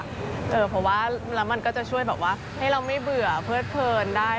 เพราะว่าแล้วมันก็จะช่วยแบบว่าให้เราไม่เบื่อเพิดเพลินได้